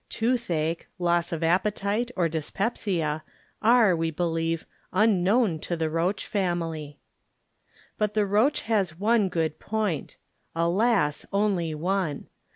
Toothache, loss of appetite, or dyspepsia are, we be lieve, unknown to the roach family. But the roach has one good point. Alas, only one.